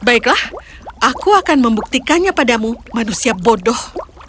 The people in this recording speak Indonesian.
baiklah aku akan membuktikannya padamu manusia bodoh